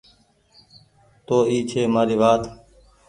تو اي ڇي مآري وآت